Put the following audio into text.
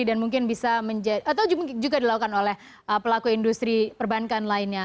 dan mungkin bisa atau juga dilakukan oleh pelaku industri perbankan lainnya